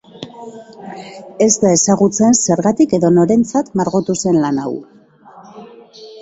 Ez da ezagutzen zergatik edo norentzat margotu zen lan hau.